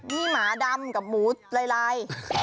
นี่หมาดำกับหมูลาย